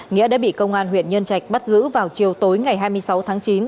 nghĩa đã bị công an huyện nhân trạch bắt giữ vào chiều tối ngày hai mươi sáu tháng chín